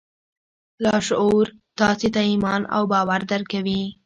لاشعور تاسې ته ایمان او باور درکوي